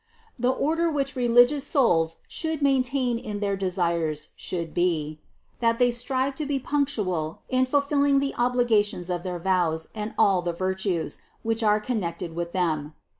449. The order which religious souls should maintain in their desires should be : that they strive to be punctual in fulfilling the obligations of their vows and all the vir tues, which are connected with them.